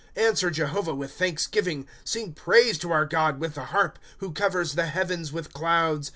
' Answer Jehovah with thanksgiving. Sing praise to our God with the harp ;" Who covers the heavens with clouds.